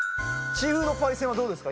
シーフードパイセンはどうですか